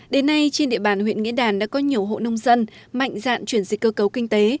đến nay trên địa bàn huyện nghĩa đàn đã có nhiều hộ nông dân mạnh dạn chuyển dịch cơ cấu kinh tế